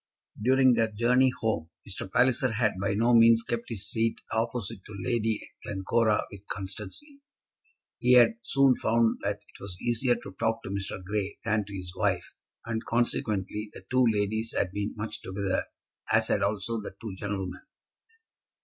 During their journey home Mr. Palliser had by no means kept his seat opposite to Lady Glencora with constancy. He had soon found that it was easier to talk to Mr. Grey than to his wife, and, consequently, the two ladies had been much together, as had also the two gentlemen.